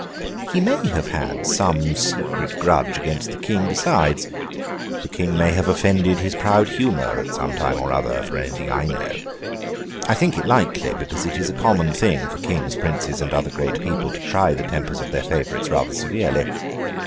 He may have had some secret grudge against the King besides. The King may have offended his proud humour at some time or other, for anything I know. I think it likely, because it is a common thing for Kings, Princes, and other great people, to try the tempers of their favourites rather severely.